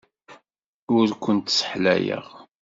Ur kent-sseḥlayeɣ.